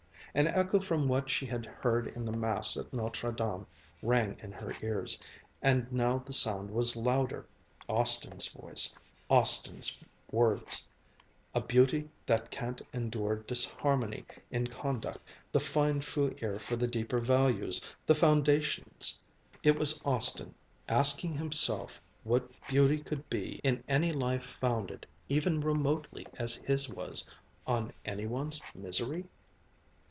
An echo from what she had heard in the mass at Notre Dame rang in her ears, and now the sound was louder Austin's voice, Austin's words: "A beauty that can't endure disharmony in conduct, the fine true ear for the deeper values, the foundations " It was Austin, asking himself what beauty could be in any life founded, even remotely as his was, on any one's misery?